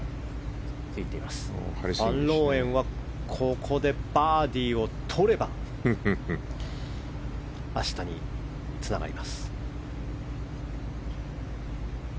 ファンローエンはここでバーディーをとれば明日につながります。